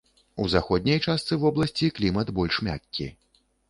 У заходняй частцы вобласці клімат больш мяккі.